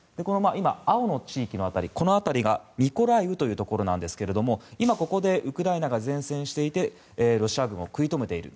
今、青の地域の辺りがミコライウというところですが今ここでウクライナが善戦していてロシア軍を食い止めている。